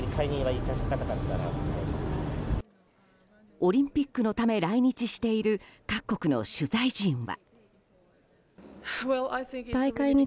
オリンピックのため来日している各国の取材陣は。